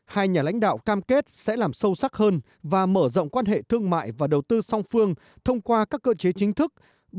hai nhà lãnh đạo cam kết sẽ làm sâu sắc hơn và mở rộng quan hệ thương mại và đầu tư song phương thông qua các cơ chế chính thức